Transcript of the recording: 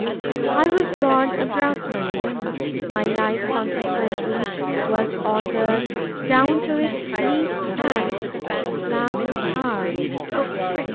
"I was born a Brahman. My life, consequently, was ordered down to its least act, its last hour.